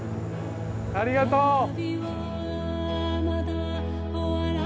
ありがとう！